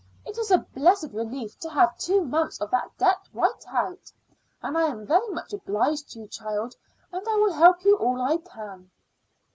It is a blessed relief to have two months of that debt wiped out, and I am very much obliged to you, child, and I will help you all I can."